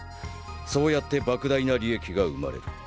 そうやって莫大な利益が生まれる。